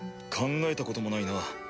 考えたこともないな。